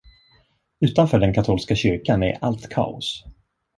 Utanför den katolska kyrkan är allt kaos.